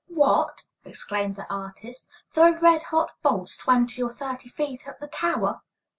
"What!" exclaimed the artist. "Throw red hot bolts twenty or thirty feet up the tower!"